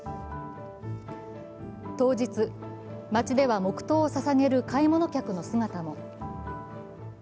当日、街では黙とうをささげる買い物客の姿も。